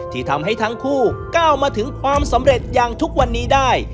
ที่ทำให้ทั้งคู่ก้าวมาถึงความสำเร็จอย่างทุกวันนี้ได้